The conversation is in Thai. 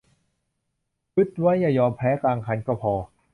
ฮึดไว้อย่ายอมแพ้กลางคันก็พอ